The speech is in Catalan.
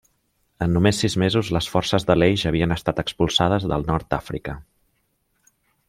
En només sis mesos, les forces de l'Eix havien estat expulsades del nord d'Àfrica.